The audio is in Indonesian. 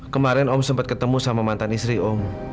kemarin om sempat ketemu sama mantan istri om